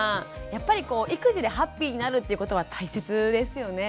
やっぱりこう育児でハッピーになるっていうことは大切ですよね？